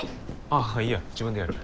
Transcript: ああいいや自分でやる。